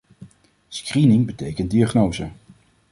Screening betekent diagnose.